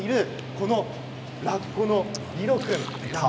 このラッコの、リロ君。